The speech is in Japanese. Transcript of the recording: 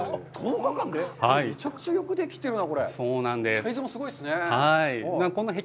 めちゃくちゃよくできてるな。